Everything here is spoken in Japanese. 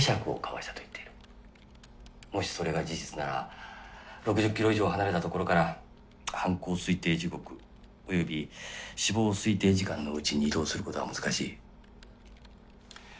もしそれが事実なら６０キロ以上離れたところから犯行推定時刻および死亡推定時間のうちに移動することは難しい。